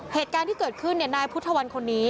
เหตุการณ์ที่เกิดขึ้นนายพุทธวันคนนี้